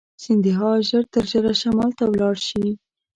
سیندهیا ژر تر ژره شمال ته ولاړ شي.